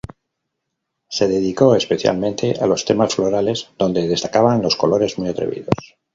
Se dedicó especialmente a los temas florales donde destacaban los colores muy atrevidos.